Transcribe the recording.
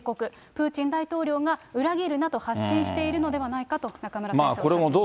プーチン大統領が裏切るなと発信しているのではないかと、中村先生はおっしゃってます。